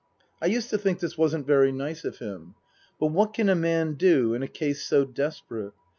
I used to think this wasn't very nice of him. But what can a man do in a case so desperate